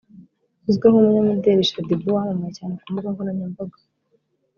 uzwi nk’ Umunyamideli Shaddy Boo wamamaye cyane ku mbuga nkoranyambaga